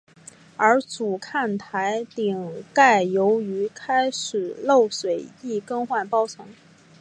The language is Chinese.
而主看台顶盖由于开始漏水亦更换包层。